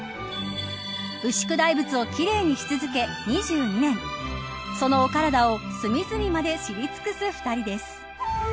牛久大仏を奇麗にし続け２２年そのお体を隅々まで知り尽くす２人です。